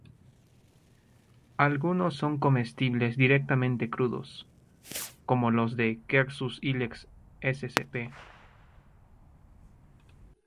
Algunos son comestibles directamente crudos, como los de "Quercus ilex ssp.